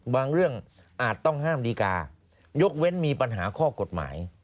เรื่องอาจต้องห้ามดีกายกเว้นมีปัญหาข้อกฎหมาย